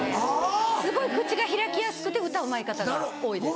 すごい口が開きやすくて歌うまい方が多いです。